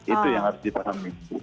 itu yang harus ditahan mimpu